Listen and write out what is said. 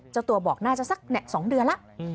เจ้าตัวบอกน่าจะสัก๒เดือนแล้ว